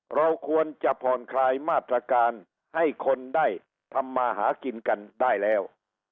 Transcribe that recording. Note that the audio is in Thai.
เราควรจะผ่อนคลายมาตรการให้คนได้ทำมาหากินกันได้แล้ว